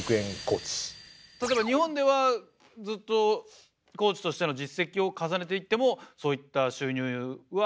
例えば日本ではずっとコーチとしての実績を重ねていってもそういった収入は難しいんでしょうか？